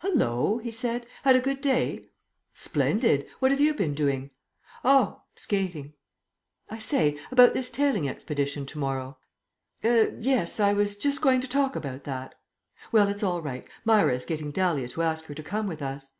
"Hallo!" he said. "Had a good day?" "Splendid. What have you been doing?" "Oh skating." "I say, about this tailing expedition to morrow " "Er yes, I was just going to talk about that." "Well, it's all right. Myra is getting Dahlia to ask her to come with us."